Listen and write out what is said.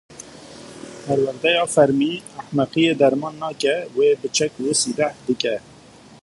Perwerdeya fermî, ehmeqiyê derman nake, wê bi çek û sîleh dike.